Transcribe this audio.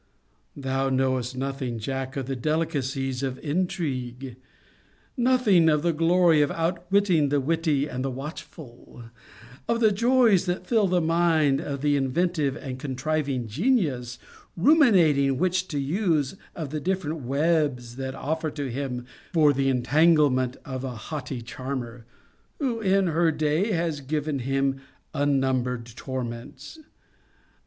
Thou knowest nothing, Jack, of the delicacies of intrigue: nothing of the glory of outwitting the witty and the watchful: of the joys that fill the mind of the inventive or contriving genius, ruminating which to use of the different webs that offer to him for the entanglement of a haughty charmer, who in her day has given him unnumbered torments.